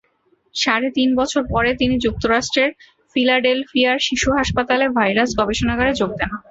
সাড়ে তিন বছর পরে তিনি যুক্তরাষ্ট্রের ফিলাডেলফিয়ার শিশু হাসপাতালে ভাইরাস গবেষণাগারে যোগ দেন।